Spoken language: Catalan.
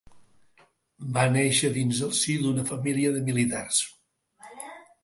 Va néixer dins el si d'una família de militars.